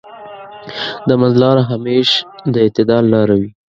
د منځ لاره همېش د اعتدال لاره وي.